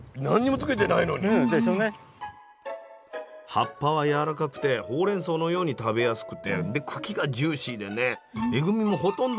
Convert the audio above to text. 葉っぱはやわらかくてほうれんそうのように食べやすくてで茎がジューシーでねえぐみもほとんどなくて味は絶品なんです。